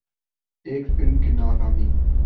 ایک فلم کی ناکامی